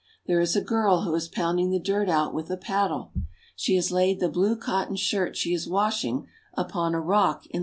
There is a girl who is pounding the dirt out with a paddle. She has laid the blue cotton shirt she is washing upon a rock in the s^jf %" ^^jgf?